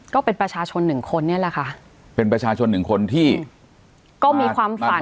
ก็เป็นประชาชนหนึ่งคนเนี่ยแหละค่ะเป็นประชาชนหนึ่งคนที่ก็มีความฝัน